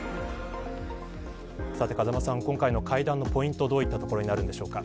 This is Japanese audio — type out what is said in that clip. さて風間さん、今回の会談のポイントはどういったところでしょうか。